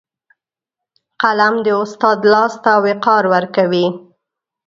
قلم د استاد لاس ته وقار ورکوي